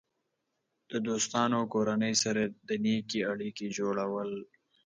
د دوستانو او کورنۍ سره د نیکې اړیکې جوړول.